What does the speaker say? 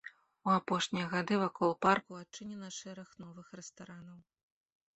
У апошнія гады вакол парку адчынены шэраг новых рэстаранаў.